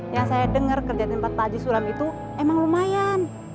yang saya dengar kerjaan tempat pak haji suram itu emang lumayan